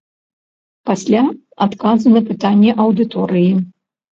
Пасля адказы на пытанні аўдыторыі.